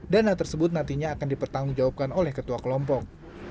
dana tersebut nantinya akan dipertanggung jawabkan oleh ketua kelompok